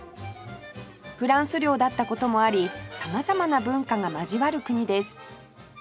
フランス領だった事もあり様々な文化が交わる国です